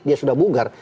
dia sudah bugar